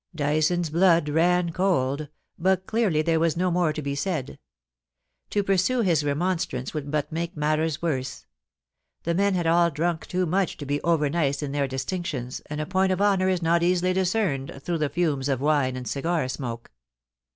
Dyson's blood ran cold, but clearly there was no more to be said. To pursue his remonstrance would but make matters worse. The men had all drunk too much to be over nice in their distinctions, and a point of honour is not easily discerned through the fumes of wine and cigar smoke.